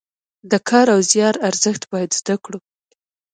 د کار او زیار ارزښت باید زده کړو.